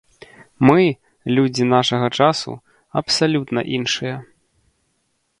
Мы, людзі нашага часу, абсалютна іншыя.